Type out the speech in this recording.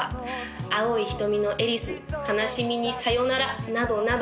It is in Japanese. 「碧い瞳のエリス」「悲しみにさよなら」などなど